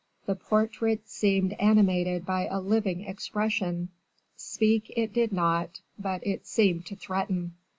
The portrait seemed animated by a living expression speak it did not, but it seemed to threaten.